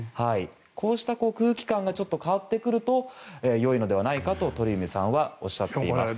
こうした空気感がちょっと変わってくると良いのではないかとおっしゃっています。